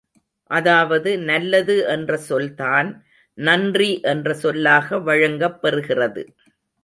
அதாவது நல்லது என்ற சொல்தான் நன்றி என்ற சொல்லாக வழங்கப் பெறுகிறது.